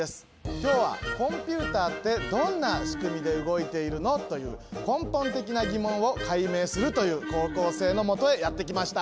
今日は「コンピュータってどんな仕組みで動いているの？」という根本的な疑問を解明するという高校生のもとへやって来ました。